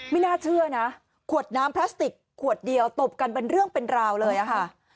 ไม่น่าเชื่อนะขวดน้ำพลาสติกขวดเดียวตบกันเป็นเรื่องเป็นราวเลยอะค่ะ